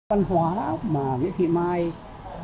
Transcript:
đó là cái chất riêng của nguyễn thị mai đấy